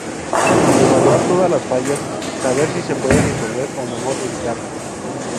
Evaluar todas las fallas, saber si se pueden resolver o mejor evitarla.